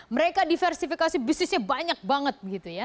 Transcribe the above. mereka diversifikasi bisnisnya banyak banget